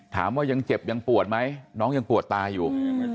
ยังเจ็บยังปวดไหมน้องยังปวดตาอยู่